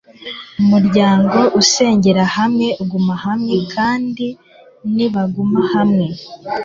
umuryango usengera hamwe uguma hamwe, kandi nibaguma hamwe